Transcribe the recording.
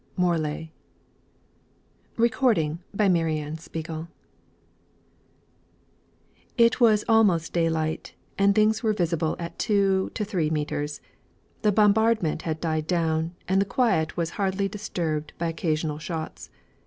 MORLAE IT was almost daylight, and things were visible at two to three metres. The bombardment had died down, and the quiet was hardly disturbed by occasional shots.